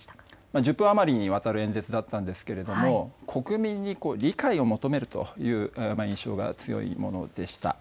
１０分余りにわたる演説だったんですが国民に理解を求めるという印象が強いものでした。